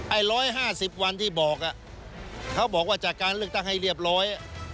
ไอ้๑๕๐วันที่บอกเขาบอกว่าจากการเลือกตั้งให้เรียบร้อย